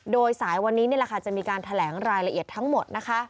โดยสายวันนี้จะมีการแถลงรายละเอียดทั้งหมดนะคะ